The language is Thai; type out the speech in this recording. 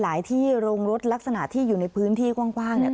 ที่โรงรถลักษณะที่อยู่ในพื้นที่กว้างเนี่ย